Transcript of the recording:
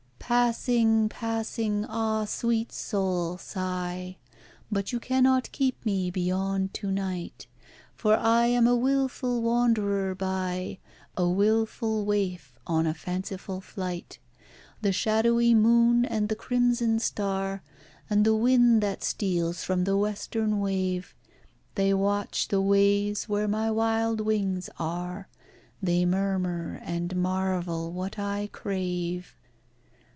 Passing, passing ah! sweet soul, sigh; But you cannot keep me beyond to night, For I am a wilful wanderer by A wilful waif on a fanciful flight. The shadowy moon, and the crimson star, And the wind that steals from the Western wave, They watch the ways where my wild wings are; They murmur and marvel what I crave.